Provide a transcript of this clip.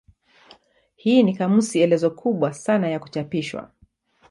Hii ni kamusi elezo kubwa sana ya kuchapishwa.